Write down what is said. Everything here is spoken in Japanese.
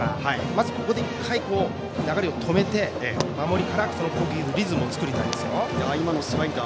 まずここで１回、流れを止めて守りから攻撃のリズムを作りたいですよ。